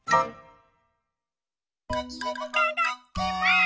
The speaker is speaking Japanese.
いただきます！